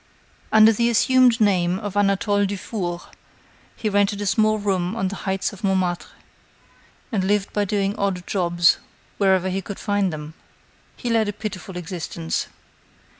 Under the assumed name of Anatole Dufour, he rented a small room on the heights of Montmartre, and lived by doing odd jobs wherever he could find them. He led a pitiful existence.